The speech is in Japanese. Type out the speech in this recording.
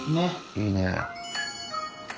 いいね。